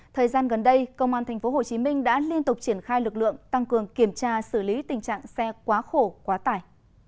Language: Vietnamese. thời gian gần đây công an tp hcm đã liên tục triển khai lực lượng tăng cường kiểm tra xử lý tình trạng xe quá khổ quá tải